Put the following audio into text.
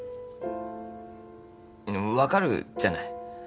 分かるじゃない。